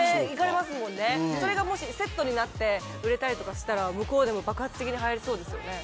それがもしセットになって売れたりとかしたら向こうでも爆発的にはやりそうですよね。